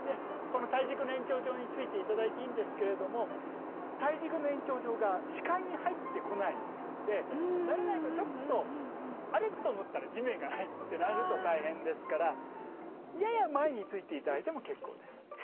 この体軸の延長上に突いて頂いていいんですけれども体軸の延長上が視界に入ってこないんで慣れないとちょっとあれ？と思ったら地面がないってなると大変ですからやや前に突いて頂いても結構です。